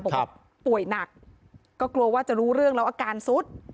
บอกว่าป่วยหนักก็กลัวว่าจะรู้เรื่องแล้วอาการสุด